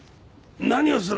何をする！